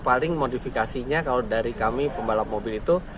paling modifikasinya kalau dari kami pembalap mobil itu